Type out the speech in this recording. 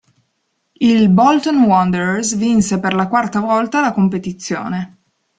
Il Bolton Wanderers vinse per la quarta volta la competizione.